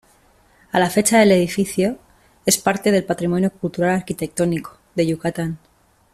A la fecha el edificio es parte del "Patrimonio Cultural Arquitectónico" de Yucatán.